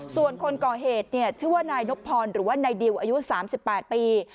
ส่วนคนก่อเหตุชื่อว่านายนบพรหรือว่านายดิวอายุ๓๘ปี